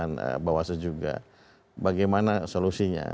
dan bawaslu juga bagaimana solusinya